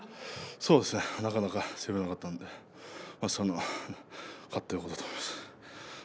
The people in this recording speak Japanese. そうですねなかなか攻められなかったので勝ってよかったと思います。